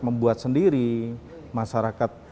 membuat sendiri masyarakat